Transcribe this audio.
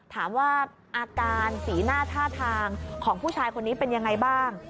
ถามว่าอาการสีหน้าท่าทางของผู้ชายคนนี้เป็นยังไงบ้าง